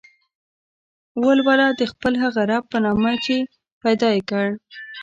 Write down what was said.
ولوله د خپل هغه رب په نامه چې پيدا يې کړ.